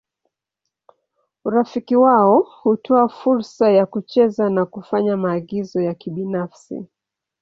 Urafiki wao hutoa fursa ya kucheza na kufanya maagizo ya kibinafsi.